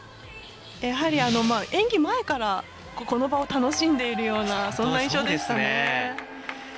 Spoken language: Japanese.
やはり演技前からこの場を楽しんでいるようなそんな印象でしたね。